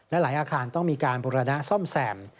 และหลายอาคารต้องมีการบุรณะซ่อมแซม